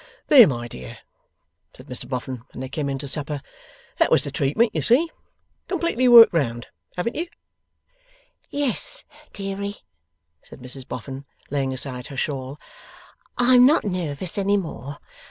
'There, my dear!' said Mr Boffin when they came in to supper. 'That was the treatment, you see. Completely worked round, haven't you?' 'Yes, deary,' said Mrs Boffin, laying aside her shawl. 'I'm not nervous any more.